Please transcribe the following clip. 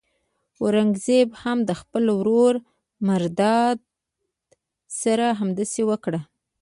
اورنګزېب هم د خپل ورور مراد سره همداسې وکړ.